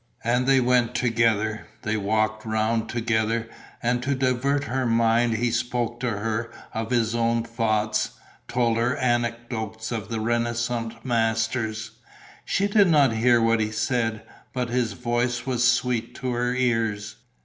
And they went together, they walked round together; and, to divert her mind, he spoke to her of his own thoughts, told her anecdotes of the Renascence masters. She did not hear what he said, but his voice was sweet to her ears.